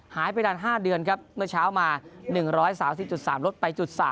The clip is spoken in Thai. หายไปนาน๕เดือนครับเมื่อเช้ามา๑๓๐๓ลดไป๓